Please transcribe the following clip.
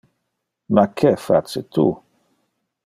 Ma que face tu?